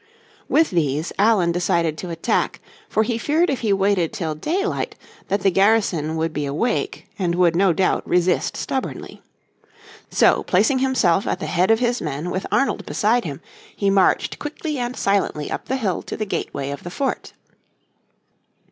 With these Allen decided to attack, for he feared if he waited till daylight that the garrison would be awake and would no doubt resist stubbornly. So placing himself at the head of his men with Arnold beside him, he marched quickly and silently up the hill to the gateway of the fort.